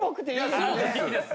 そうです！